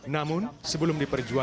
namun sebelum diperdagangkan